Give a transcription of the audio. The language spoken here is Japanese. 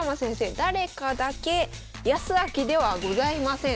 誰かだけヤスアキではございません。